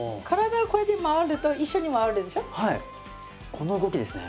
この動きですね。